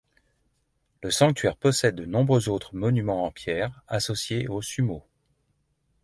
Le sanctuaire possède de nombreuses autres monuments en pierre associés au sumo.